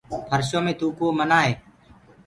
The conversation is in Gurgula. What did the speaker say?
ڦرشو مي ٿوڪوو منآ هي۔